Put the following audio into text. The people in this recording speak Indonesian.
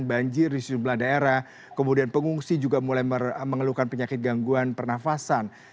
banjir di sejumlah daerah kemudian pengungsi juga mulai mengeluhkan penyakit gangguan pernafasan